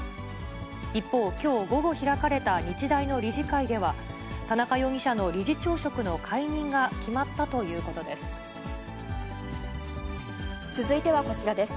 一方、きょう午後開かれた日大の理事会では、田中容疑者の理事長職の解任が決まったということです。